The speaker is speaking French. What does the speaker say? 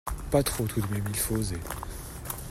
Pas trop tout de même, il faut oser!